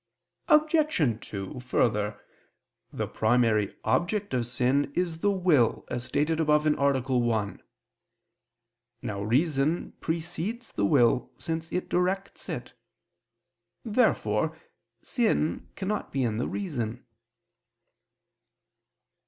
Obj. 2: Further, the primary object of sin is the will, as stated above (A. 1). Now reason precedes the will, since it directs it. Therefore sin cannot be in the reason.